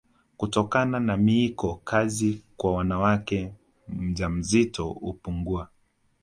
Kutokana na miiko kazi kwa mwanamke mjamzito hupungua